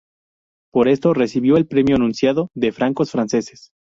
Por esto, recibió el premio anunciado de francos franceses.